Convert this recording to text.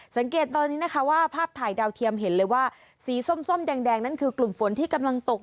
สังเกตตอนนี้นะคะว่าภาพถ่ายดาวเทียมเห็นเลยว่าสีส้มแดงนั่นคือกลุ่มฝนที่กำลังตก